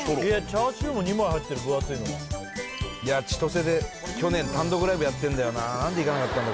チャーシューも２枚入ってる分厚いのがいや千歳で去年単独ライブやってんだよな何で行かなかったんだ